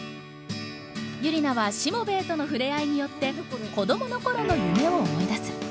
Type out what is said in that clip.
ユリナはしもべえとの触れ合いによって子どもの頃の夢を思い出す。